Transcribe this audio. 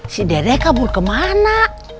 si dede kabur kemana